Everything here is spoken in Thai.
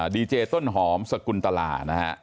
ดีเจต้นหอมสกุลตลา